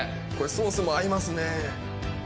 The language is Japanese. ソースも合いますね。